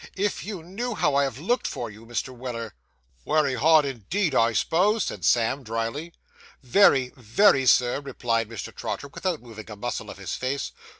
If you knew how I have looked for you, Mr. Weller ' 'Wery hard, indeed, I s'pose?' said Sam drily. 'Very, very, Sir,' replied Mr. Trotter, without moving a muscle of his face.